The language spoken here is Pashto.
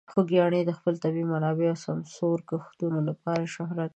خوږیاڼي د خپلو طبیعي منابعو او سمسور کښتونو لپاره شهرت لري.